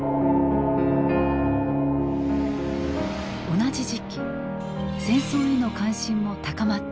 同じ時期戦争への関心も高まっていた。